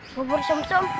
bubur sum sum